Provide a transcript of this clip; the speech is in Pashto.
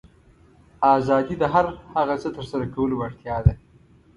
آزادي د هر هغه څه ترسره کولو وړتیا ده.